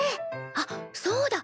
あっそうだ！